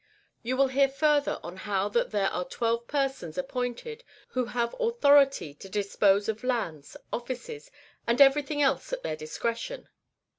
^ You will hear further on how that there are twelve persons appointed who have authority to dispose of lands, offices, 4l6 MARCO POLO Book ir. and everything else at their discretion.